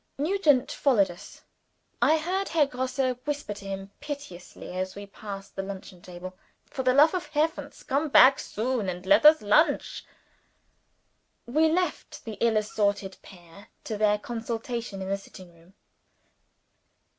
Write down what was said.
Nugent followed us. I heard Herr Grosse whisper to him piteously, as we passed the luncheon table, "For the lofe of Heaven, come back soon, and let us lonch!" We left the ill assorted pair to their consultation in the sitting room.